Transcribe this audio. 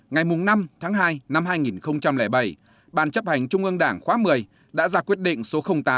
ngày năm tháng hai năm hai nghìn bảy bàn chấp hành trung ương đảng khóa một mươi đã ra quyết định số tám